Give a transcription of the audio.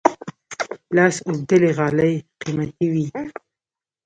لاس اوبدلي غالۍ قیمتي وي.